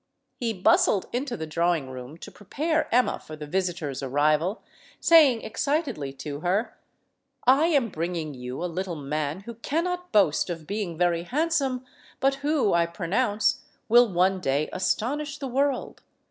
He bustled into the drawing room to prepare Emma for the visitor's arrival, saying excitedly to her: LADY HAMILTON 263 "1 am bringing you a little man who cannot boast of being very handsome, but who, I pronounce, will one day astonish the world.